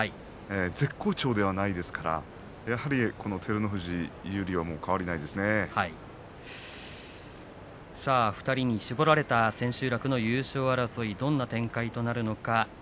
絶好調ではないですからやはり照ノ富士２人に絞られた千秋楽の優勝争いどんな展開になるのか。